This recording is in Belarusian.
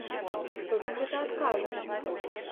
Хто за гэта адкажа?